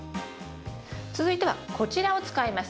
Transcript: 続いてはこちらを使います。